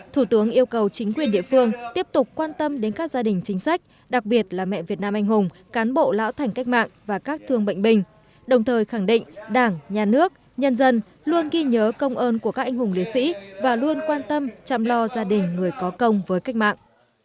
thủ tướng yêu cầu chính quyền địa phương tiếp tục quan tâm đến các gia đình chính sách đặc biệt là mẹ việt nam anh hùng cán bộ lão thành cách mạng và các thương bệnh binh đồng thời khẳng định đảng nhà nước nhân dân luôn ghi nhớ công ơn của các anh hùng liệt sĩ và luôn quan tâm chăm lo gia đình người có công với cách mạng